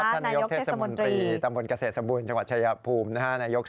ท่านนายกเทศมุนตรีตรรมนตร์เกษตรศนมุนจังหวัดเชพภูมิ